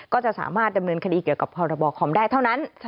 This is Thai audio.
ก็จะสามารถดำเนินคดีเกี่ยวกับพรบคอมได้เท่านั้น